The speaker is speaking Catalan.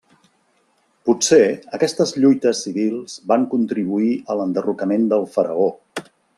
Potser, aquestes lluites civils van contribuir a l'enderrocament del faraó.